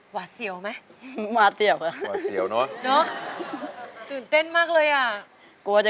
หว่าเสี่ยวไหมหว่าเสี่ยวค่ะ